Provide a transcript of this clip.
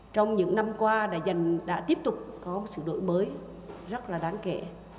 trong những năm qua đã dành đã tiếp tục có một sự đổi mới rất là đáng kể